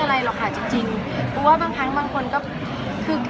ถามค่ะแต่ส่วนล้อค่ะมันมันไม่มีอะไรจริง